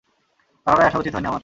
কানাডায় আসা উচিত হয়নি আমার।